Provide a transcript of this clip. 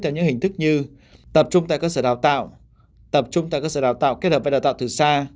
theo những hình thức như tập trung tại cơ sở đào tạo tập trung tại cơ sở đào tạo kết hợp với đào tạo từ xa